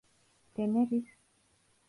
Deneriz.